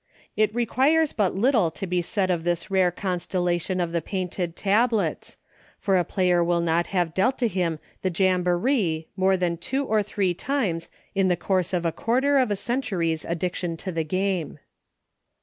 It requires but little to be said of this rare constellation of the " painted tablets," for a player will not have dealt to him the Jamboree more than two or three times in the course of a quarter of a century's addiction to the game.